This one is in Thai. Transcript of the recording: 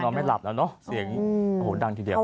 เขาคงนอนไม่หลับแล้วเนอะเสียงนี้โอ้โฮดังทีเดียว